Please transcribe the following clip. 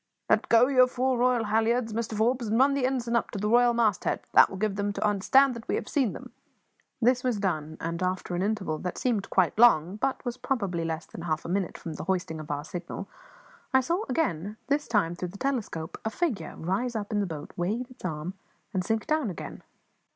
"Let go your fore royal halliards, Mr Forbes, and run the ensign up to the royal masthead. That will give them to understand that we have seen them." This was done, and after an interval that seemed quite long, but was probably less than half a minute from the hoisting of our signal, I again saw this time through the telescope a figure rise up in the boat, wave its arm, and sink down again.